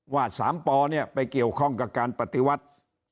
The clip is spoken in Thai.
ว่าสามปอเนี่ยไปเกี่ยวข้องกับการปฏิวัติ